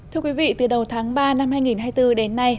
thưa quý vị từ đầu tháng ba năm hai nghìn hai mươi bốn đến nay